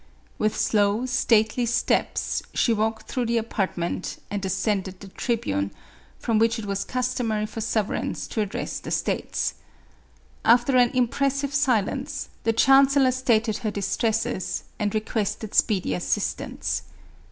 With slow, stately steps, she walked through the apart ment, and ascended the tribune, from which it was cus tomary for sovereigns to address the states. After an impressive silence, the chancellor stated her distresses and requested speedy assistance.